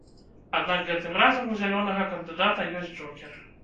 Аднак гэтым разам у зялёнага кандыдата ёсць джокер.